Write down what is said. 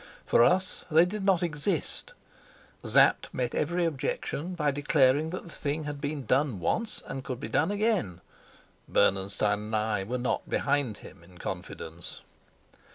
For us they did not exist; Sapt met every objection by declaring that the thing had been done once and could be done again. Bernenstein and I were not behind him in confidence.